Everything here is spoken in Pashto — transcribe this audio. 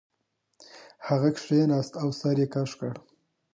هغه کښیناست او سر یې کږ کړ